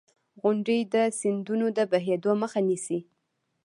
• غونډۍ د سیندونو د بهېدو مخه نیسي.